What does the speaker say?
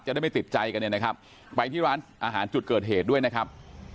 ได้ไม่ติดใจกันเนี่ยนะครับไปที่ร้านอาหารจุดเกิดเหตุด้วยนะครับ